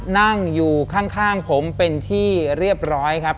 นั่งอยู่ข้างผมเป็นที่เรียบร้อยครับ